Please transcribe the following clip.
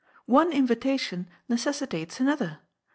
One invitation necessi tates another.